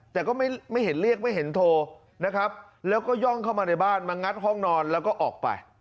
แต่ก็ไม่เห็นเรียกไม่เห็นโทรนะครับแล้วก็ย่องเข้ามาในบ้านมางัดห้องนอนแล้วก็ออกไป